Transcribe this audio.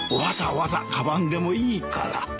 わざわざ買わんでもいいから。